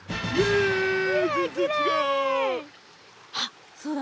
あっそうだ。